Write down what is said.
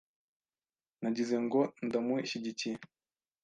Nagize ngo ndamushyigikiye .